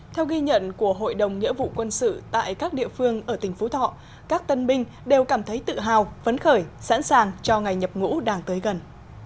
theo ghi nhận của hội đồng nghĩa vụ quân sự tại các địa phương ở tỉnh phú thọ các tân binh đều cảm thấy tự hào vấn khởi sẵn sàng cho ngày nhập ngũ đang tới gần